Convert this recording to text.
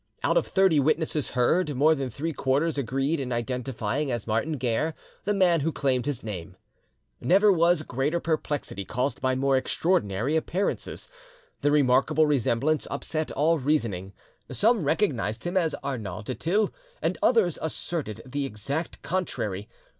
Out of thirty witnesses heard, more than three quarters agreed in identifying as Martin Guerre the man who claimed his name. Never was greater perplexity caused by more extraordinary appearances. The remarkable resemblance upset all reasoning: some recognised him as Arnauld du Thill, and others asserted the exact contrary.